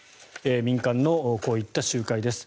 民間のこういった集会です。